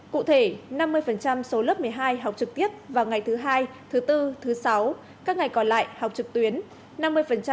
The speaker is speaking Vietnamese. cụ thể năm mươi số lớp một mươi hai học trực tiếp vào ngày thứ hai thứ bốn thứ sáu các ngày còn lại học trực tuyến